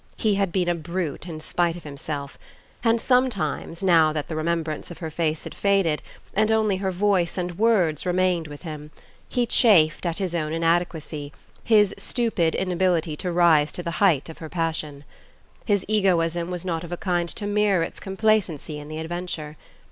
He had been a brute in spite of himself, and sometimes, now that the remembrance of her face had faded, and only her voice and words remained with him, he chafed at his own inadequacy, his stupid inability to rise to the height of her passion. His egoism was not of a kind to mirror its complacency in the adventure.